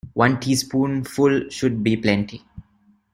One teaspoonful should be plenty.